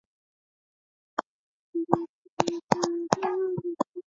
倪柝声接受了他的邀请。